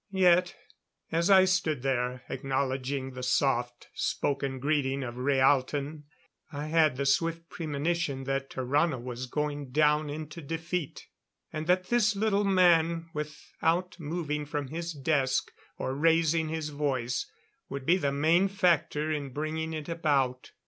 Yet as I stood there acknowledging the soft spoken greeting of Rhaalton, I had the swift premonition that Tarrano was going down into defeat. And that this little man, without moving from his desk or raising his voice, would be the main factor in bringing it about.